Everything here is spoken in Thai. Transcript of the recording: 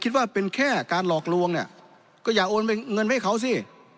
คิดว่าเป็นแค่การหลอกลวงเนี่ยก็อย่าโอนเงินให้เขาสิ